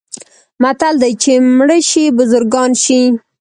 متل دی: چې مړه شي بزرګان شي.